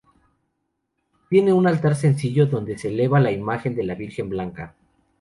Tiene un altar sencillo donde se eleva la imagen de la Virgen Blanca.